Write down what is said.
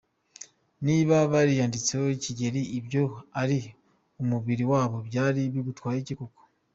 niba bariyanditseho Kigeli ibyo ko ali umubili wabo byali bigutwaye iki koko !!